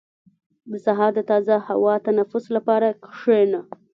• د سهار د تازه هوا تنفس لپاره کښېنه.